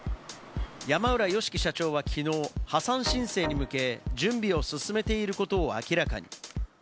山浦芳樹社長はきのう破産申請に向け、準備を進めていることを明らかに。